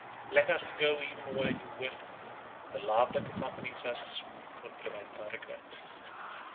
Let us go even where you will; the love that accompanies us will prevent our regrets."